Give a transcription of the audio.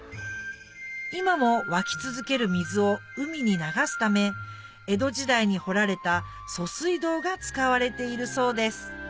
今も湧き続ける水を海に流すため江戸時代に掘られた疎水道が使われているそうです